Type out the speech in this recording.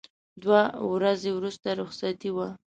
دوه ورځې وروسته رخصتي وه.